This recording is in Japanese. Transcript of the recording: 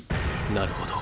なるほど。